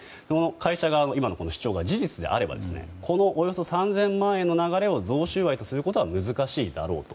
会社側の主張が事実であればおよそ３０００万円の流れを贈収賄とするのは難しいだろうと。